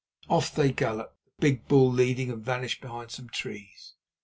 Off they galloped, the big bull leading, and vanished behind some trees.